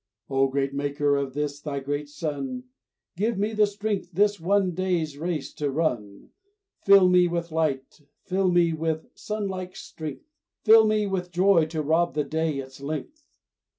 O greater Maker of this Thy great sun, Give me the strength this one day's race to run, Fill me with light, fill me with sun like strength, Fill me with joy to rob the day its length.